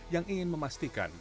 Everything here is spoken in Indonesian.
yang ingin memastikan